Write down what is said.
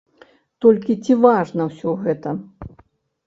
Толькі ці важна ўсё гэта?